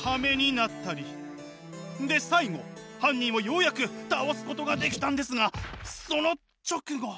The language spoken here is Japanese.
で最後犯人をようやく倒すことができたんですがその直後。